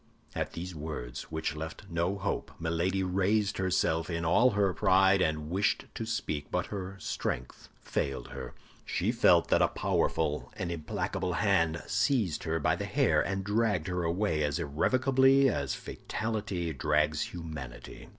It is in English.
At these words, which left no hope, Milady raised herself in all her pride, and wished to speak; but her strength failed her. She felt that a powerful and implacable hand seized her by the hair, and dragged her away as irrevocably as fatality drags humanity.